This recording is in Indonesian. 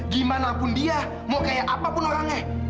gimanapun dia mau kayak apapun orangnya